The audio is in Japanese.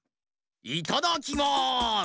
いただきます！